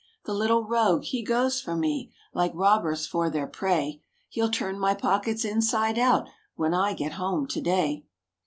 The little rogue! he goes for me, like robbers for their prey; He'll turn my pockets inside out, when I get home to day.